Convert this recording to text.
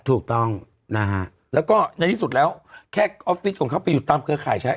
ถูกต้องนะฮะแล้วก็ในที่สุดแล้วแค่ออฟฟิศของเขาไปอยู่ตามเครือข่ายใช้